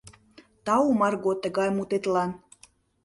Тау, Марго, тыгай мутетлан.